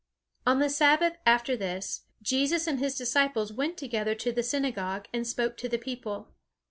On the Sabbath, after this, Jesus and his disciples went together to the synagogue, and spoke to the people.